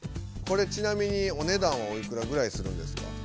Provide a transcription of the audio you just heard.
これちなみにお値段はおいくらぐらいするんですか？